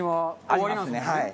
ありますねはい。